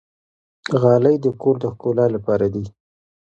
غالۍ د کور د ښکلا لپاره دي.